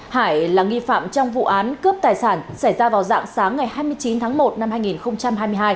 hải là nghi phạm trong vụ án cướp tài sản xảy ra vào dạng sáng ngày hai mươi chín tháng một năm hai nghìn hai mươi hai